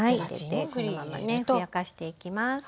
入れてこのままねふやかしていきます。